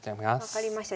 分かりました。